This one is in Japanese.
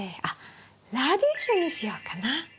あっラディッシュにしようかな。